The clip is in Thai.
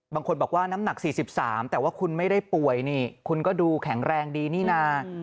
บางคนบอกว่าน้ำหนัก๔๓แต่ว่าคุณไม่ได้ป่วยนี่คุณก็ดูแข็งแรงดีนี่นะ